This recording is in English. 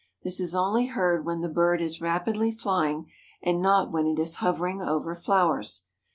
This is only heard when the bird is rapidly flying and not when it is hovering over flowers.